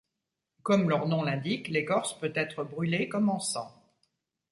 Comme leur nom l'indique, l'écorce peut être brûlée comme encens.